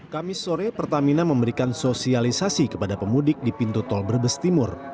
kamis sore pertamina memberikan sosialisasi kepada pemudik di pintu tol brebes timur